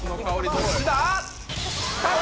どっちだ